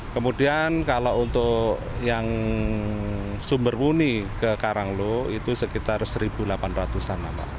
kemudian kalau untuk yang sumber muni ke karanglo itu sekitar satu delapan ratus an